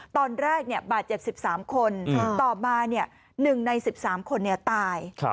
ตอนแรกบาดเจ็บ๑๓คนต่อมา๑ใน๑๓คนตาย